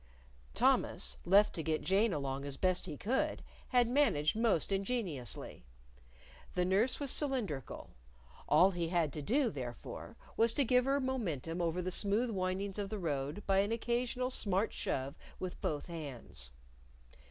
Thomas, left to get Jane along as best he could, had managed most ingeniously. The nurse was cylindrical. All he had to do, therefore, was to give her momentum over the smooth windings of the road by an occasional smart shove with both hands.